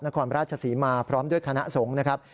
นครราชศรีมาพร้อมด้วยคณะสงฆ์นะครับ